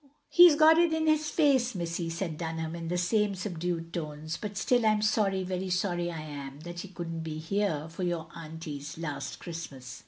He 's got it in his face, missy, " said Dunham, in the same subdued tones. " But still I *m sorry very sorry I am, that he could n't be here for your auntie's last Christmas."